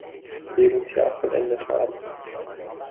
Lebensjahr vollendet haben.